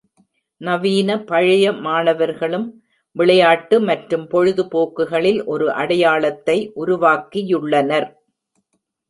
நவீன பழைய மாணவர்களும் விளையாட்டு மற்றும் பொழுதுபோக்குகளில் ஒரு அடையாளத்தை உருவாக்கியுள்ளனர்.